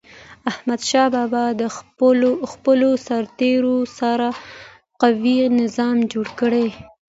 احمدشاه بابا د خپلو سرتېرو سره قوي نظام جوړ کړ.